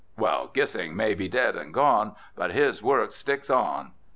Well, Gissing may be dead and gone, but his works stick on.